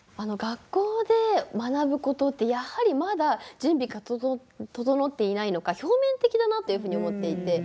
学校で学ぶことってやはりまだ準備が整っていないのか表面的だなっていうふうに思っていて。